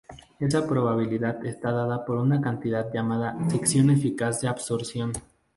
Esa probabilidad está dada por una cantidad llamada sección eficaz de absorción.